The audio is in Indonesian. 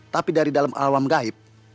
tapi dari dalam awam gaib